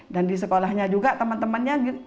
dan di sekolahnya juga teman temannya itu